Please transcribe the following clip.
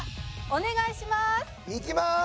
お願いします！